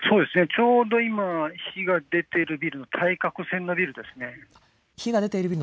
ちょうど今、火が出ているビルの対角線のビルです。